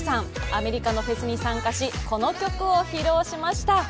アメリカのフェスに参加しこの局を披露しました。